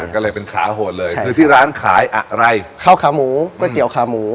ก็เลยเป็นขาโหดเลยคือที่ร้านขายอะไรข้าวขาหมูก๋วยเตี๋ยวขาหมู